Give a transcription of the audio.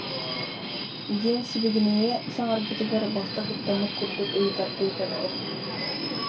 диэн сибигинэйэ саҥарбытыгар, балта куттаммыт курдук ыйытардыы көрдө